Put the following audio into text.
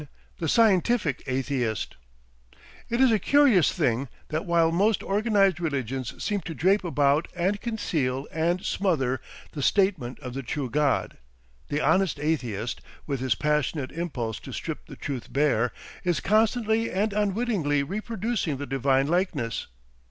THE SCIENTIFIC ATHEIST It is a curious thing that while most organised religions seem to drape about and conceal and smother the statement of the true God, the honest Atheist, with his passionate impulse to strip the truth bare, is constantly and unwittingly reproducing the divine likeness.